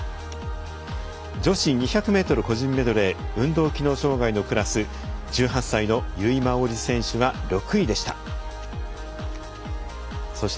女子２００ｍ個人メドレー運動機能障がいのクラス１８歳の由井真緒里選手は６位でした。